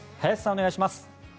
お願いします。